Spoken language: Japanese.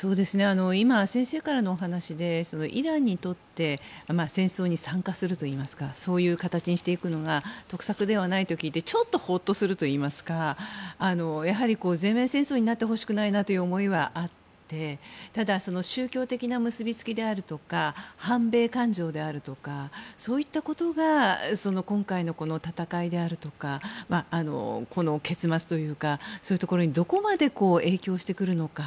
今、先生からのお話でイランにとって戦争に参加するといいますかそういう形にしていくのが得策ではないと聞いてちょっとほっとするといいますかやはり全面戦争になってほしくないなという思いはあってただ、宗教的な結びつきや反米感情であるとかそういったことが今回の戦いであるとかこの結末というかそういうところにどこまで影響してくるのか。